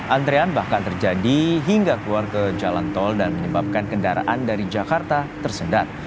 antrean bahkan terjadi hingga keluar ke jalan tol dan menyebabkan kendaraan dari jakarta tersedat